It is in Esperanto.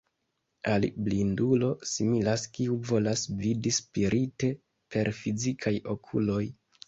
Al blindulo similas kiu volas vidi spirite per fizikaj okuloj.